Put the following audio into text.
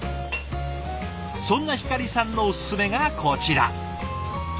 そんな光さんのおすすめがこちら。